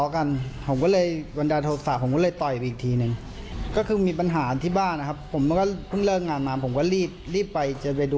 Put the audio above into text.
การประกอบแท็กซี่บีบแปร